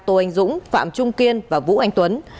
tô anh dũng phạm trung kiên và vũ anh tuấn